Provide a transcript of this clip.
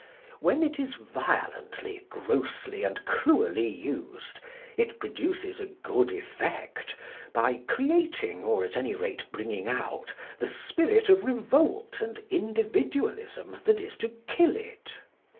When it is violently, grossly, and cruelly used, it produces a good effect, by creating, or at any rate bringing out, the spirit of revolt and Individualism that is to kill it.